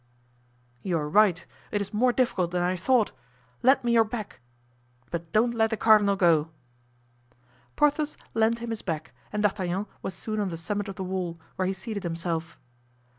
"You are right; it is more difficult than I thought. Lend me your back—but don't let the cardinal go." Porthos lent him his back and D'Artagnan was soon on the summit of the wall, where he seated himself.